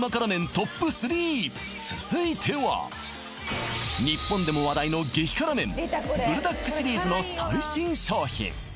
ＴＯＰ３続いては日本でも話題の激辛麺ブルダックシリーズの最新商品